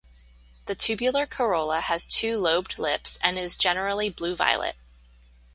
The tubular corolla has two lobed lips, and is generally blue-violet.